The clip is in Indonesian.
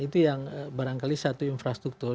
itu yang barangkali satu infrastruktur